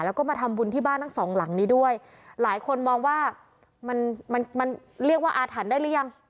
แล้วก็มาทำบุญที่บ้านทั้งสองหลังนี้ด้วยหลายคนมองว่ามันมันเรียกว่าอาถรรพ์ได้หรือยัง